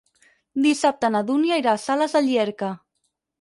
Dissabte na Dúnia irà a Sales de Llierca.